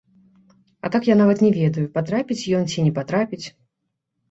А так я нават не ведаю, патрапіць ён ці не патрапіць.